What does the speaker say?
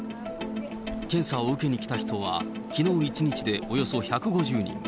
検査を受けに来た人は、きのう一日でおよそ１５０人。